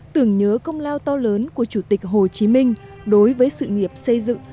tưởng nhớ công lao to lớn của chủ tịch hồ chí minh đối với sự nghiệp xây dựng